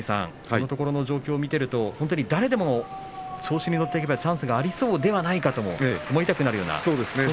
このところの状況を見ていると本当に誰でも昇進のチャンスがありそうではないかと思いたくなりますね。